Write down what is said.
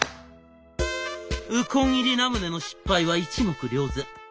「ウコン入りラムネの失敗は一目瞭然。